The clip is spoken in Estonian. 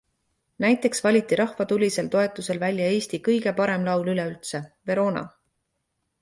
Näiteks valiti rahva tulisel toetusel välja Eesti kõige parem laul üleüldse - Verona!